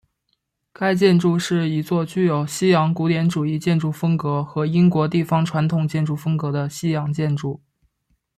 该建筑是一座具有西洋古典主义建筑风格和英国地方传统建筑风格的西洋建筑。